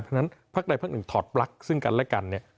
เพราะฉะนั้นพักใดพักหนึ่งถอดปลั๊กซึ่งกันและกันเนี่ย